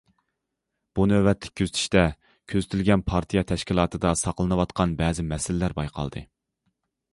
بۇ نۆۋەتلىك كۆزىتىشتە كۆزىتىلگەن پارتىيە تەشكىلاتىدا ساقلىنىۋاتقان بەزى مەسىلىلەر بايقالدى.